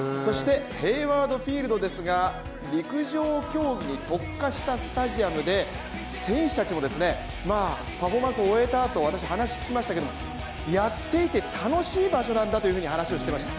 ヘイワード・フィールドですが、陸上競技に特化したスタジアムでパフォーマンスを終えたあと話を聞きましたけどやっていて楽しい場所なんだと話していました。